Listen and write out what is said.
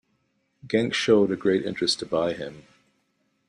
Genk showed a great interest to buy him.